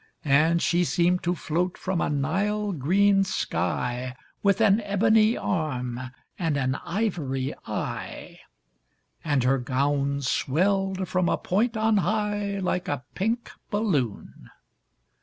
And she seemed to float from a Nile green sky, With an ebony arm and an ivory eye, And her gown swelled from a point on high, Like a pink balloon.